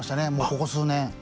ここ数年。